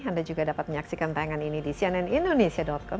anda juga dapat menyaksikan tayangan ini di cnnindonesia com